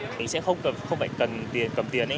thì sẽ không cần không phải cần tiền cầm tiền ấy